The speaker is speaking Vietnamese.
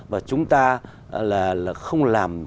và chúng ta là không làm